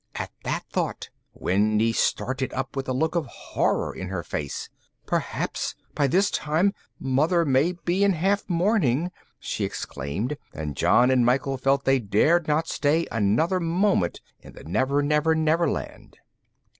At that thought, Wendy started up with a look of horror in her face: "Perhaps by this time, Mother may be in half mourning," she exclaimed, and John and Michael felt they dared not stay another moment in the Never Never Never Land.